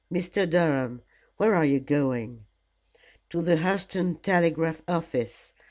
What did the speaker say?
Mr. Durham, where are you going?" "To the Hurseton telegraph office.